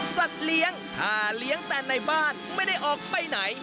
สัตว์เลี้ยงถ้าเลี้ยงแต่ในบ้านไม่ได้ออกไปไหน